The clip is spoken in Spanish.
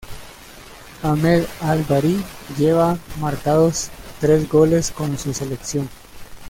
Ahmed Al Bahri lleva marcados tres goles con su selección.